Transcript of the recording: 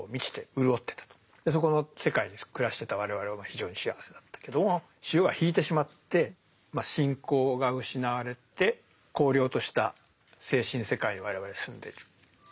そこの世界に暮らしてた我々は非常に幸せだったけども潮が引いてしまって信仰が失われて荒涼とした精神世界に我々は住んでいる。